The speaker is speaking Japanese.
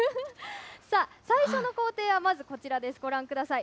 さあ、最初の工程はまずこちらです、ご覧ください。